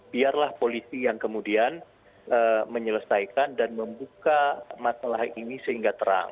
biarlah polisi yang kemudian menyelesaikan dan membuka masalah ini sehingga terang